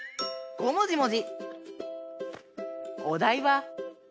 ごもじもじ！